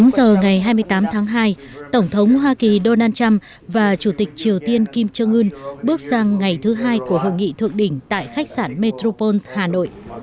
chín giờ ngày hai mươi tám tháng hai tổng thống hoa kỳ donald trump và chủ tịch triều tiên kim trương ươn bước sang ngày thứ hai của hội nghị thượng đỉnh tại khách sạn metropole hà nội